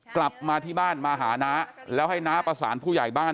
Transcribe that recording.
กลับมาที่บ้านมาหาน้าแล้วให้น้าประสานผู้ใหญ่บ้าน